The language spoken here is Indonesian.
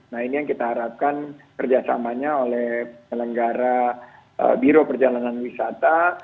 nah ini yang kita harapkan kerjasamanya oleh penyelenggara biro perjalanan wisata